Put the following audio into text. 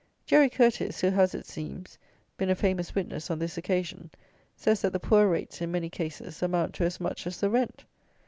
Jerry Curteis, who has, it seems, been a famous witness on this occasion, says that the poor rates, in many cases, amount to as much as the rent.